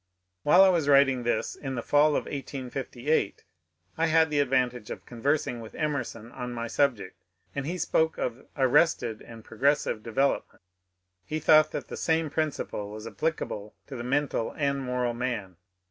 While I was writing this in the fall of 1858, I had the advantage of conversing with Emerson on my subject, and he spoke of ^' arrested and progressive de velopment." He thought that the same principle was appli cable to the mental and moral man.